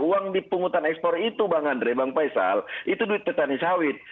uang di pungutan ekspor itu bang andre bang faisal itu duit petani sawit